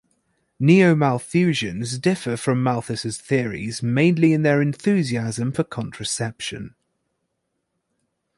Neo-Malthusians differ from Malthus's theories mainly in their enthusiasm for contraception.